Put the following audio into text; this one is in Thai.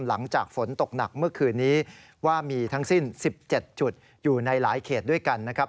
หลังจากฝนตกหนักเมื่อคืนนี้ว่ามีทั้งสิ้น๑๗จุดอยู่ในหลายเขตด้วยกันนะครับ